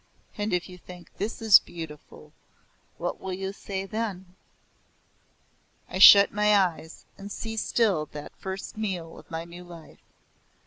And if you think this beautiful what will you say then?" I shut my eyes and see still that first meal of my new life.